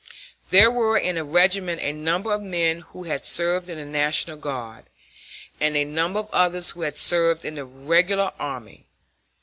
There were in the regiment a number of men who had served in the National Guard, and a number of others who had served in the Regular Army.